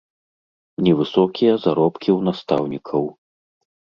Невысокія заробкі ў настаўнікаў.